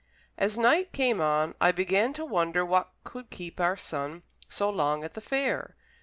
As night came on, I began to wonder what could keep our son so long at the fair.